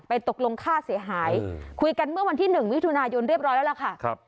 ตกลงค่าเสียหายคุยกันเมื่อวันที่๑มิถุนายนเรียบร้อยแล้วล่ะค่ะ